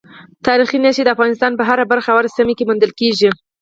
تاریخي نښې د افغانستان په هره برخه او هره سیمه کې موندل کېږي.